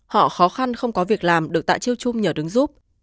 họ khó khăn không có việc làm được tại chiêu chung nhờ đứng giúp